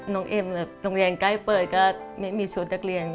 เอ็มแบบโรงเรียนใกล้เปิดก็ไม่มีชุดนักเรียน